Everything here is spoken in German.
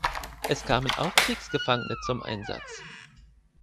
Es kamen auch Kriegsgefangene zum Einsatz.